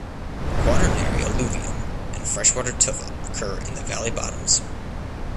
Quaternary alluvium and freshwater tufa occur in the valley bottoms.